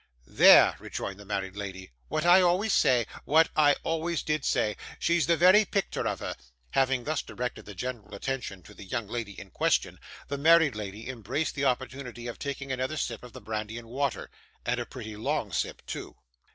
'There!' rejoined the married lady. 'What I always say; what I always did say! She's the very picter of her.' Having thus directed the general attention to the young lady in question, the married lady embraced the opportunity of taking another sip of the brandy and water and a pretty long sip too.